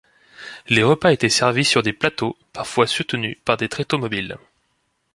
Les repas étaient servis sur des plateaux, parfois soutenus par des tréteaux mobiles.